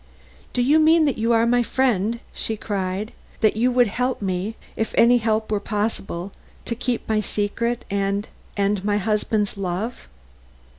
"Do you mean that you are my friend?" she cried. "That you would help me, if any help were possible, to keep my secret and my husband's love?"